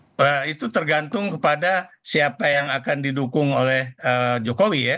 nah itu tergantung kepada siapa yang akan didukung oleh jokowi ya